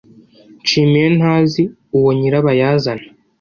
Nshimiye ntazi uwo nyirabayazana.